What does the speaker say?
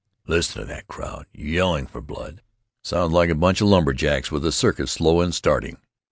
"Listen to that crowd. Yelling for blood. Sounds like a bunch of lumber jacks with the circus slow in starting."